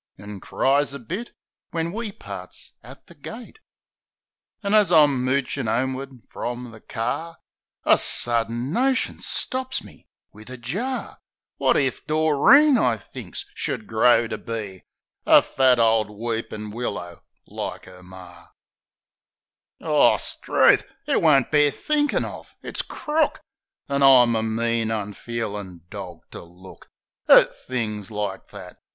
An' cries a bit, when we parts at the gate. An' as I'm moochin' 'omeward frum the car A suddin notion stops me wiv a jar — Wot if Doreen, I thinks, should grow to be A fat ole weepin' wilier like 'er Mar! 68 THE SENTIMENTAL BLOKE O, 'struth! It won't bear thinkin' of! It's crook! An' I'm a mean, unfeelin' dawg to look At things like that.